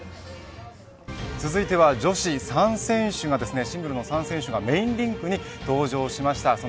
続いては女子３選手がシングルの３選手がメインリンクに登場しました。